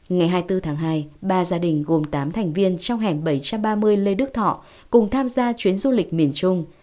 ngày hai mươi bốn tháng hai ba gia đình gồm tám thành viên trong hẻm bảy trăm ba mươi lê đức thọ cùng tham gia chuyến du lịch miền trung